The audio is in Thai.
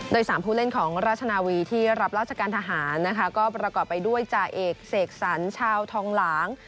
โดย๓ผู้เล่นของราชนาวีที่รับราชการทหารนะคะก็ประกอบไปด้วยจ่าเอกเสกสรรชาวทองหลาง